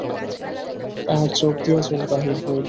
তাহার চোখ দিয়া জল বাহির হইল।